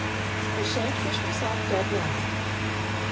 I shan't wish myself dead now."